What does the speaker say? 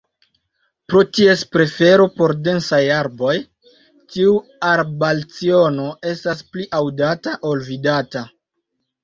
Pro ties prefero por densaj arbaroj, tiu arbalciono estas pli aŭdata ol vidata.